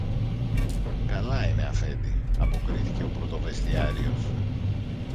Καλά είναι, Αφέντη, αποκρίθηκε ο πρωτοβεστιάριος